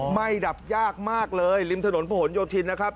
ดับยากมากเลยริมถนนผนโยธินนะครับ